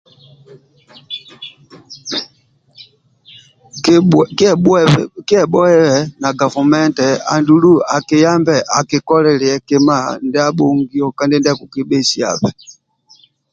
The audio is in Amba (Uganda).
Kie kie kie bhuwe na gavumenti andulu akiyambe akikolilie kima ndia abhongio kandi ndia akikibhesiabe